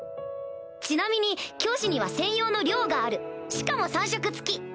ちなみに教師には専用の寮があるしかも３食付き！